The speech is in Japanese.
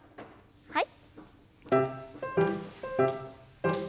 はい。